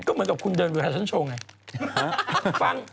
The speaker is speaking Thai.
ก็เหมือนกับคุณเดินเวลาฉันโชว์ไง